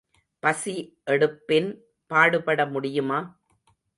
பசி எடுப்பின் பாடுபட முடியுமா?